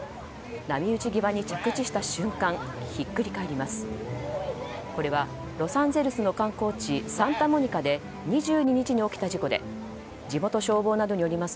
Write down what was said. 波打ち際に着地した瞬間ひっくり返ります。